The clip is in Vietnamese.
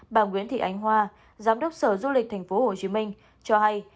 bà nguyễn thị ánh hoa giám đốc sở du lịch tp hcm cho hay